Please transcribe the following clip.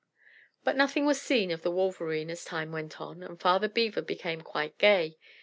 But nothing was seen of the Wolverene as time went on, and Father Beaver became quite gay.